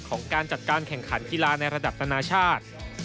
ของการจัดการแข่งขันกีฬาในระดับนานาชาติ